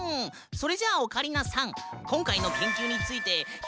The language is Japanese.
それじゃオカリナさん